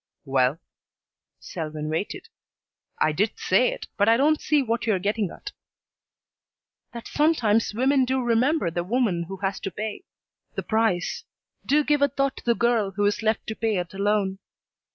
"Well " Selwyn waited. "I did say it, but I don't see what you're getting at." "That sometimes women do remember the woman who has to pay the price; do give a thought to the girl who is left to pay it alone.